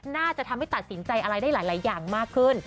น่าจะทำให้ตัดสินใจอะไรได้หลายอย่างมากขึ้น